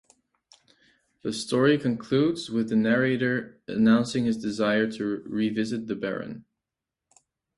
The story concludes with the narrator announcing his desire to revisit the Baron.